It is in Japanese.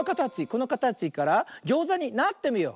このかたちからギョーザになってみよう。